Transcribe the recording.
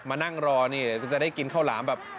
มานั่งรอนี่จะได้กินข้าวหลามแบบ